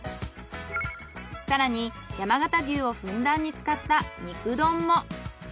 更に山形牛をふんだんに使った肉丼も。